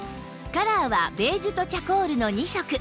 カラーはベージュとチャコールの２色